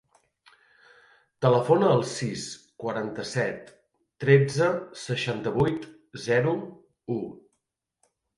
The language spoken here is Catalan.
Telefona al sis, quaranta-set, tretze, seixanta-vuit, zero, u.